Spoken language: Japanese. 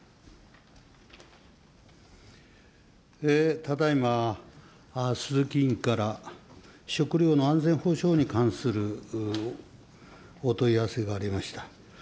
ただいま、鈴木委員から食料の安全保障に関するお問い合わせがありました。